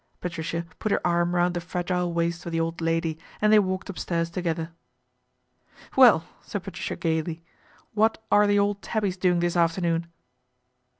Patricia put her arm round the fragile waist of the old lady and they walked upstairs together. ' Well," said Patricia gaily, " what are the old tabbies doing this afternoon